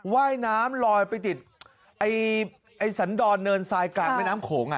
ว่ายน้ำลอยไปติดไอ้สันดอนเนินทรายกลางแม่น้ำโขง